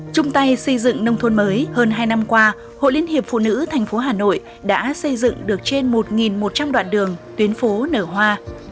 trung tay xây dựng nông thôn mới hơn hai năm qua hội liên hiệp phụ nữ tp hà nội đã xây dựng được trên một một trăm linh đoạn đường tuyến phố nở hoa